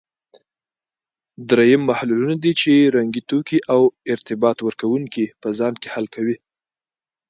دریم محللونه دي چې رنګي توکي او ارتباط ورکوونکي په ځان کې حل کوي.